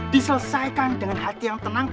diselesaikan dengan hati yang tenang